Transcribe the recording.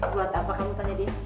buat apa kamu tanya dia